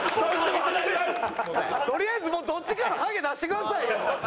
とりあえずもうどっちかのハゲ出してくださいよ。